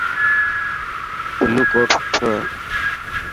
بلو ڪوٽ سٺو هي.